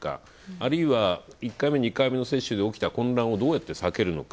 あるいは１回目、２回目の接種で起きた混乱をどうやって避けるのか。